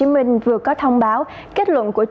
ủy ban nhân dân tp hcm vừa có thông báo kết luận của chủ tịch